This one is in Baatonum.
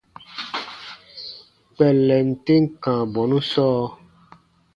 Kpɛllɛn tem kãa bɔnu sɔɔ.